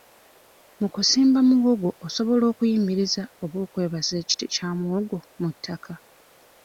Mu kusimba muwogo osobola okuyimiriza oba okwebasa ekiti kya muwogo mu ttaka.